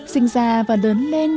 sinh già và lớn lên